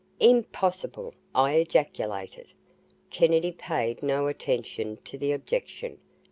"Impossible!" I ejaculated. Kennedy paid no attention to the objection.